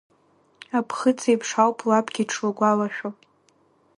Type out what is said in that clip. Аԥхыӡеиԥш ауп лабгьы дшылгәалашәо.